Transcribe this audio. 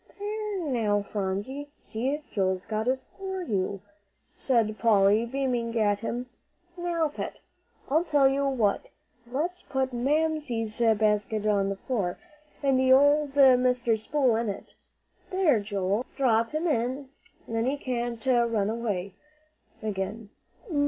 "There now, Phronsie; see, Joel's got it for you," said Polly, beaming at him. "Now, Pet, I'll tell you what, let's put Mamsie's basket on the floor, and old Mr. Spool in it. There, Joey, drop him in, then he can't run away again.